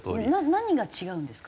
何が違うんですか？